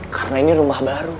karena ini rumah baru